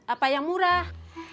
apa yang murah